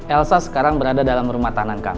elsa sekarang berada dalam rumah tahanan kang